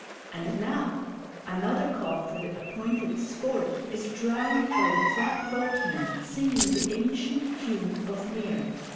And now another call for the appointed sport is drowned by the flatboatmen singing the ancient tune of 'Mear.'